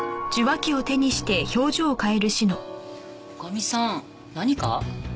女将さん何か？